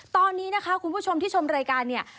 ตอนนี้นะคะคุณผู้ชมที่ชมรายการเนี่ย